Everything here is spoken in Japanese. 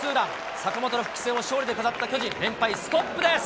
坂本の復帰戦を勝利で飾った巨人、連敗ストップです。